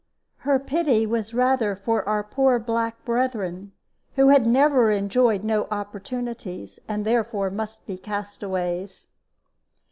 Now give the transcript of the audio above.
Her pity was rather for our poor black brethren who had never enjoyed no opportunities, and therefore must be castaways."